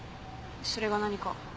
それが何か？